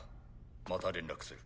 また連絡する。